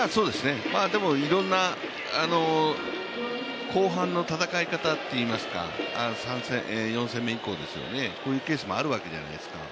でも、いろんな後半の戦い方といいますか４戦目以降、こういうケースもあるわけじゃないですか。